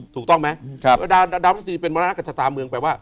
ถูกต้องไหมดาวพฤษีเป็นมรณะกับชะตาเมืองแปลว่า